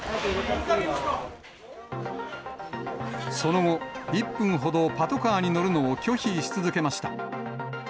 その後、１分ほどパトカーに乗るのを拒否し続けました。